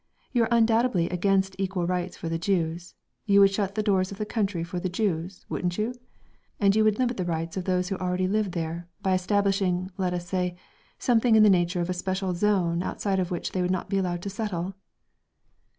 You are undoubtedly against equal rights for the Jews. You would shut the doors of the country for the Jews, wouldn't you? And you would limit the rights of those who already live there, by establishing, let us say, something in the nature of a special zone outside of which they would not be allowed to settle?"